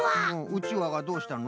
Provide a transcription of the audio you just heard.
うちわがどうしたの？